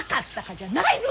じゃないぞね！